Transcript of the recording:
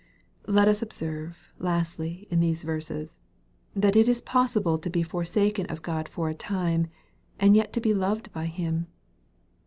Let us observe, lastly, in these verses, that it is possible to be forsaken of God for a time, and yet to be loved by Him.